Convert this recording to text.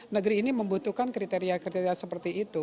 negeri ini membutuhkan kriteria kriteria seperti itu